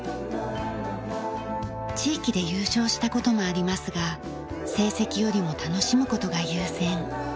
地域で優勝した事もありますが成績よりも楽しむ事が優先。